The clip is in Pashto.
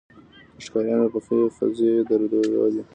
د ښکاریانو پخې خزې یې درلودې.